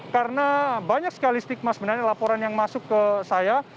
karena banyak sekali stigma sebenarnya laporan yang masuk ke saya